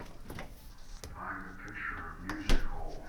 Find a picture of Music Hole